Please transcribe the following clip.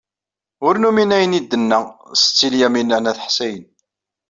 Ur numin ayen ay d-tenna Setti Lyamina n At Ḥsayen.